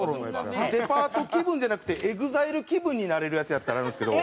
デパート気分じゃなくてＥＸＩＬＥ気分になれるやつやったらあるんですけど。